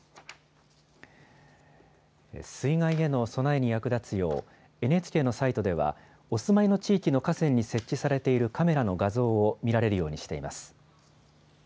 水害への備えに役立つよう、ＮＨＫのサイトでは、お住まいの地域の河川に設置されているカメラの画像を見られるようにしています。